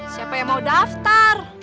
siapa yang mau daftar